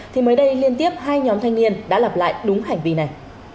thì mới đây liên tiếp hai nhóm thanh niên đã lặp lại đúng hành vi này